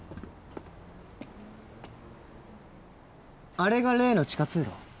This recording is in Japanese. あれが例の地下通路？